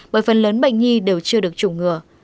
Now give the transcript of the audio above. bởi phần lớn bệnh nhi đều chưa được chủng ngừa